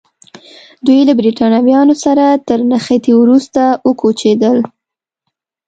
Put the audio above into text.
دوی له برېټانویانو سره تر نښتې وروسته وکوچېدل.